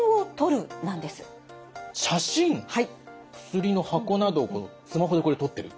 薬の箱などをスマホでこれ撮ってる。